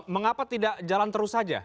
mengapa tidak jalan terus saja